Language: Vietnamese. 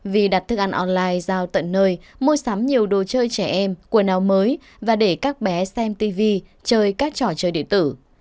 vì đặt thức ăn online giao tận nơi mua sắm nhiều đồ chơi trẻ em quần áo mới và để các bé xem tv chơi các trò chơi điện tử